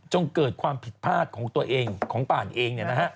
เกิดความผิดพลาดของตัวเองของป่านเอง